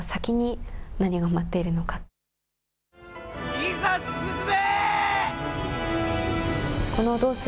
いざ進め！